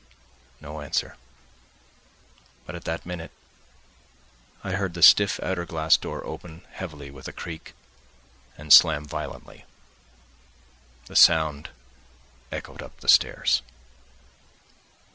No answer. But at that minute I heard the stiff outer glass door open heavily with a creak and slam violently; the sound echoed up the stairs.